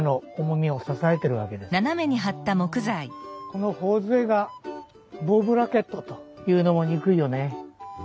この頬杖がボウブラケットというのも憎いよねえ。